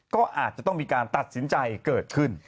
ก็อาจจะต้องมีการตัดสินใจเกิดขึ้น